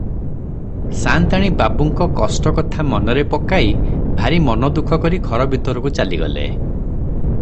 ସା’ନ୍ତାଣୀ ବାବୁଙ୍କ କଷ୍ଟ କଥା ମନରେ ପକାଇ ଭାରି ମନୋଦୁଃଖ କରି ଘର ଭିତରକୁ ଚାଲିଗଲେ ।